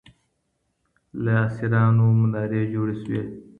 له اسیرانو منارې جوړې سوې